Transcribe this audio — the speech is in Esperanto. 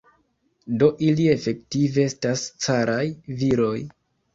Do ili efektive estas caraj viroj.